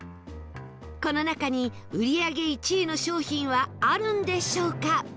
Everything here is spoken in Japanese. この中に売り上げ１位の商品はあるんでしょうか？